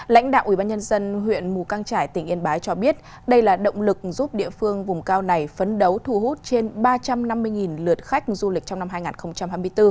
lãnh đạo ubnd huyện mù căng trải tỉnh yên bái cho biết đây là động lực giúp địa phương vùng cao này phấn đấu thu hút trên ba trăm năm mươi lượt khách du lịch trong năm hai nghìn hai mươi bốn